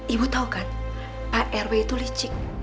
ibu tahu kan pak rw itu licik